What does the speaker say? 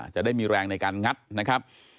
จะได้มีแรงในการงัดนะครับ